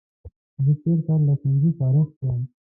زه تېر کال له ښوونځي فارغ شوم